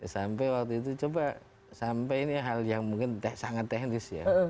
sampai waktu itu coba sampai ini hal yang mungkin sangat teknis ya